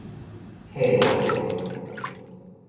客話